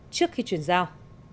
trước khi chuyển giao